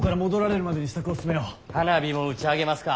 花火も打ち上げますか。